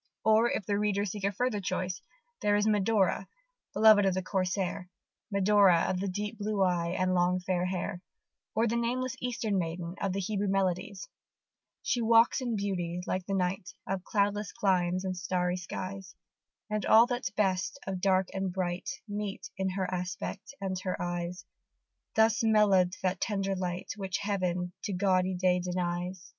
Or, if the reader seek a further choice, there is Medora, beloved of the Corsair, Medora of the deep blue eye and long fair hair; or the nameless Eastern maiden of the Hebrew Melodies: She walks in beauty, like the night Of cloudless climes and starry skies; And all that's best of dark and bright Meet in her aspect and her eyes: Thus mellow'd to that tender light Which heaven to gaudy day denies.